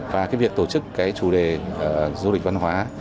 và cái việc tổ chức cái chủ đề du lịch văn hóa